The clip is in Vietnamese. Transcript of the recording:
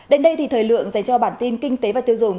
đến đây thì thời lượng dành cho bản tin kinh tế và tiêu dùng